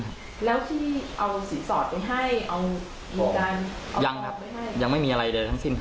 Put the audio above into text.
แล้วที่เอาสีสอดไปให้เอาอีกอันยังแล้วไม่มีอะไรใดทั้งสิ้น